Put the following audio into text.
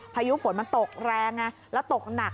พายุฝนมันตกแรงไงแล้วตกหนัก